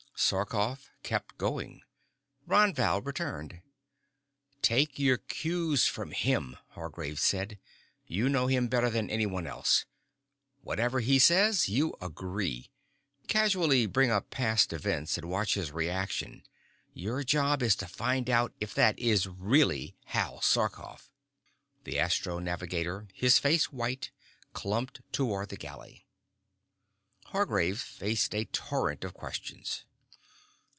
Sarkoff kept going. Ron Val returned. "Take your cues from him," Hargraves said. "You know him better than anyone else. Whatever he says, you agree. Casually bring up past events and watch his reaction. Your job is to find out if that is really Hal Sarkoff!" The astro navigator, his face white, clumped toward the galley. Hargraves faced a torrent of questions.